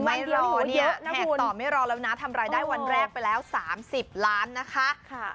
ไม่รอเนี่ยแขกต่อไม่รอแล้วนะทำรายได้วันแรกไปแล้ว๓๐ล้านนะคะ